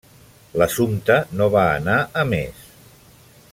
L'assumpte no va anar a més.